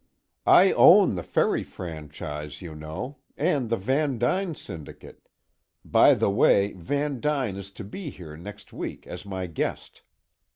I own the ferry franchise, you know, and the Van Duyn syndicate by the way, Van Duyn is to be here next week, as my guest.